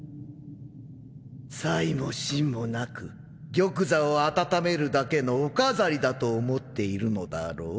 才も信もなく玉座を温めるだけのお飾りだと思っているのだろう？